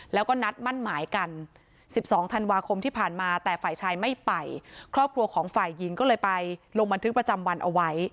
แล้วก็นัดมั่นหมายกัน๑๒ธันวาคมที่ผ่านมาแต่ฝ่ายชายไม่ไปครอบครัวของฝ่ายหญิงก็เลยไปลงบันทึกประจำวันเอาไว้